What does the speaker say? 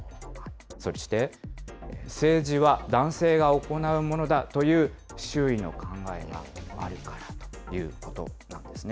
そして、政治は男性が行うものだという周囲の考えがあるからということなんですね。